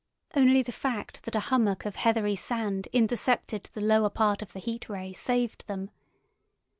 Only the fact that a hummock of heathery sand intercepted the lower part of the Heat Ray saved them.